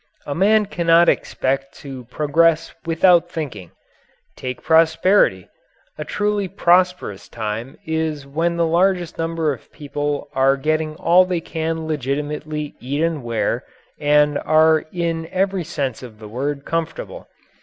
A man cannot expect to progress without thinking. Take prosperity. A truly prosperous time is when the largest number of people are getting all they can legitimately eat and wear, and are in every sense of the word comfortable.